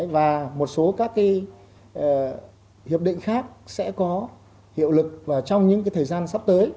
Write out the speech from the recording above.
và một số các hiệp định khác sẽ có hiệu lực trong những thời gian sắp tới